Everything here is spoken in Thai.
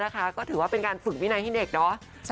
ก็ถือว่าเป็นการฝึกวินัยให้เด็กเนาะ